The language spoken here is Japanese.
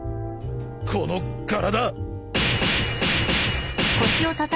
この体。